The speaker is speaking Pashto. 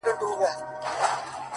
• د خوارانو لاس به درسي تر ګرېوانه,